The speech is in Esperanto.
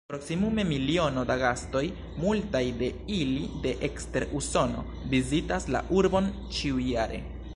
Proksimume miliono da gastoj, multaj de ili de ekster Usono, vizitas la urbon ĉiujare.